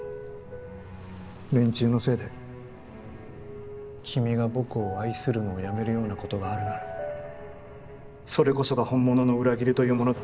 連中のせいで君が僕を愛するのをやめるようなことがあるならそれこそが本物の裏切りというものだ。